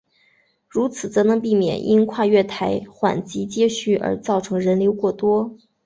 如此则能避免因跨月台缓急接续而造成人流过多。